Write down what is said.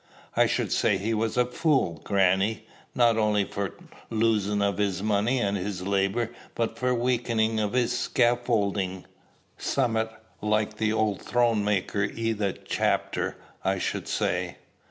"I should say he was a fool, grannie, not only for losin' of his money and his labor, but for weakenin' of his scaffoldin', summat like the old throne maker i' that chapter, I should say."